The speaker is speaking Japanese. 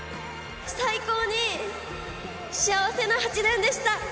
最高に幸せな８年でした。